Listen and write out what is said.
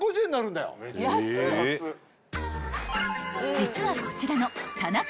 ［実はこちらの］